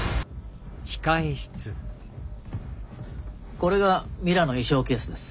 これがミラの衣装ケースです。